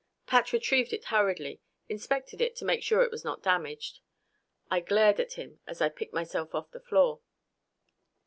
Pat retrieved it hurriedly, inspected it to make sure it was not damaged. I glared at him as I picked myself off the floor.